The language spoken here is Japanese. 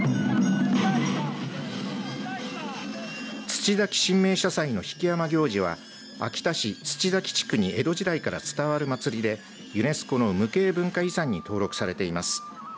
土崎神明社祭の曳山行事は秋田市土崎地区に江戸時代から伝わる祭りでユネスコの無形文化遺産に登録されています。